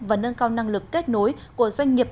và nâng cao năng lực kết nối của doanh nghiệp